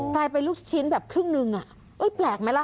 ใส่ไปลูกชิ้นแบบครึ่งนึงอ่ะอุ้ยแปลกไหมล่ะ